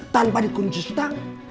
tanpa di kunci stang